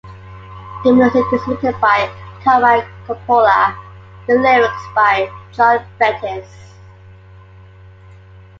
The music is written by Carmine Coppola, the lyrics by John Bettis.